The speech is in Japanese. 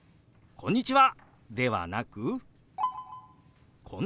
「こんにちは。